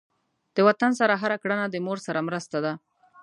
د وطن سره هر کړنه د مور سره مرسته ده.